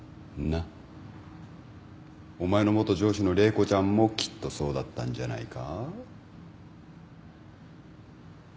お前の元上司の玲子ちゃんもきっとそうだったんじゃないか？